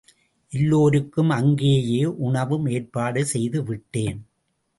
எல்லோருக்கும் அங்கேயே உணவும் ஏற்பாடு செய்துவிட்டேன்.